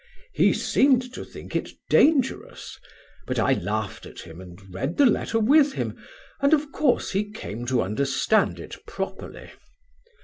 He seemed to think it dangerous, but I laughed at him and read the letter with him, and of course he came to understand it properly.